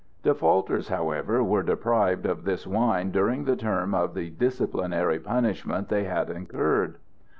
Defaulters, however, were deprived of this wine during the term of the disciplinary punishment they had incurred.